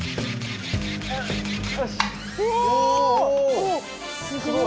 おっすごい。